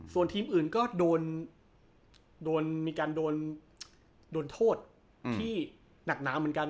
ส่วนทีมอื่นก็โดนมีการโดนโทษที่หนักหนาเหมือนกัน